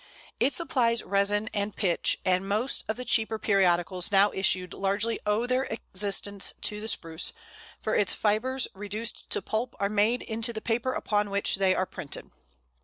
It supplies resin and pitch, and most of the cheaper periodicals now issued largely owe their existence to the Spruce, for its fibres reduced to pulp are made into the paper upon which they are printed.